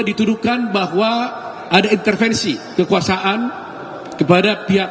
dituduhkan bahwa ada intervensi kekuasaan kepada pihak